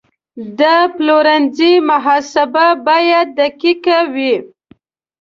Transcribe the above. د پلورنځي محاسبه باید دقیقه وي.